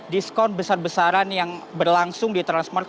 diskon besar besaran yang berlangsung di transmart